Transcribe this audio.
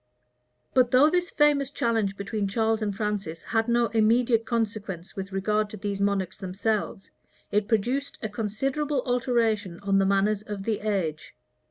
But though this famous challenge between Charles and Francis had no immediate consequence with regard to these monarchs themselves, it produced a considerable alteration on the manners of the age.